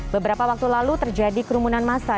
beberapa waktu lalu terjadi kerumunan masa